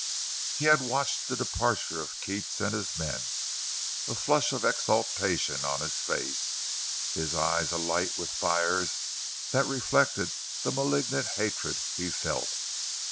He had watched the departure of Keats and his men, a flush of exultation on his face, his eyes alight with fires that reflected the malignant hatred he felt.